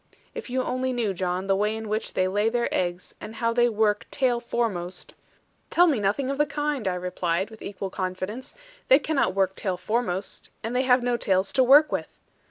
If you only knew, John, the way in which they lay their eggs, and how they work tail foremost ' 'Tell me nothing of the kind,' I replied, with equal confidence: 'they cannot work tail foremost; and they have no tails to work with.'